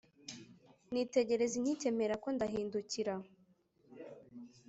nitegereza inkike mperako ndahindukira